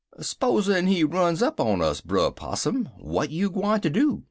"'Spozen he runs up on us, Brer Possum, w'at you gwineter do?'